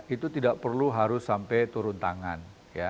itu tidak perlu harus sampai turun tangan